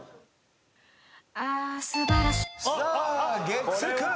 月９。